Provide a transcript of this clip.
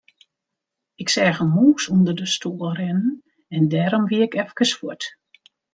Ik seach in mûs ûnder de stoel rinnen en dêrom wie ik efkes fuort.